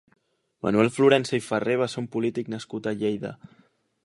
Manuel Florensa i Farré va ser un polític nascut a Lleida.